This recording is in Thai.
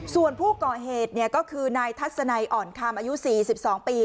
ส่วนผู้ก่อเหตุก็คือนายทัศนัยอ่อนคำอายุ๔๒ปี